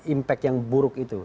impact yang buruk itu